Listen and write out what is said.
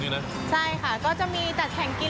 ใช่ค่ะก็จะมีจัดแข่งกิน